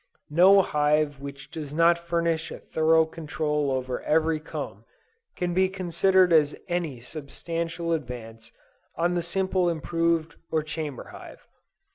No hive which does not furnish a thorough control over every comb, can be considered as any substantial advance on the simple improved or chamber hive.